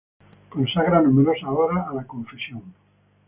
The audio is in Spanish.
Consagra numerosas horas a la confesión.